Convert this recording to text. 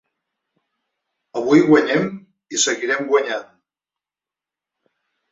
Avui guanyem i seguirem guanyant